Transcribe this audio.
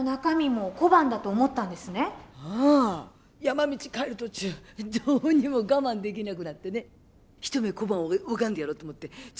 山道帰る途中どうにも我慢できなくなってね一目小判を拝んでやろうと思ってつづらの蓋開けたんだ。